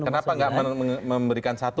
kenapa gak memberikan satu